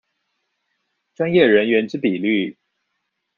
專業人員之比率